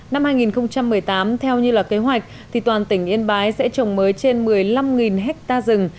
năm hai nghìn một mươi tám theo như là kế hoạch thì toàn tỉnh yên bái sẽ trồng mới trên một mươi năm ha rừng